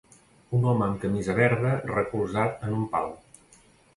Un home amb camisa verda recolzat en un pal.